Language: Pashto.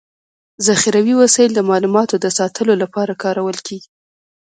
ذخيروي وسایل د معلوماتو د ساتلو لپاره کارول کيږي.